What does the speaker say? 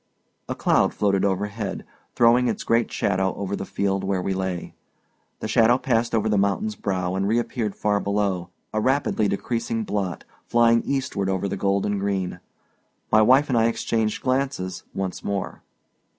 A cloud floated overhead, throwing its great shadow over the field where we lay. The shadow passed over the mountain's brow and reappeared far below, a rapidly decreasing blot, flying eastward over the golden green. My wife and I exchanged glances once more.